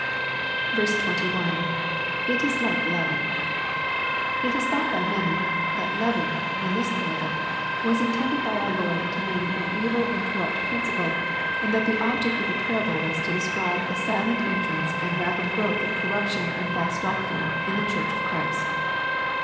21. — [It is Wee leaven.] It is thought by many, that "leaven," in this parable, was intended by our Lord to mean, an evil and cor rupt principle, and that the object of the parable was to describe the silent entrance and rapid growth of corruption and false doc trine in the Church of Christ.